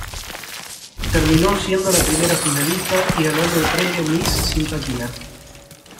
Terminó siendo la primera finalista y ganando el premio Miss Simpatía.